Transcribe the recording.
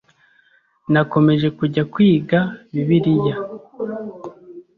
Nakomeje kujya kwiga Bibiliya,